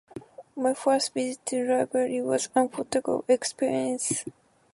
My first visit to the library was an unforgettable experience.